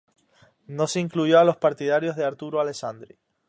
No se incluyó a los partidarios de Arturo Alessandri.